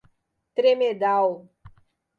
Tremedal